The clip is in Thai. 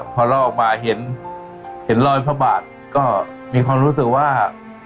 พอลอกมาเห็นเห็นรอยพระบาทก็มีความรู้สึกว่า